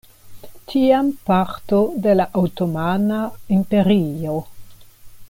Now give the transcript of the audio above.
Tiam parto de la otomana imperio.